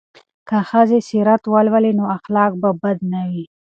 که ښځې سیرت ولولي نو اخلاق به بد نه وي.